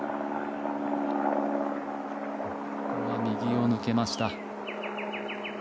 右を抜けました。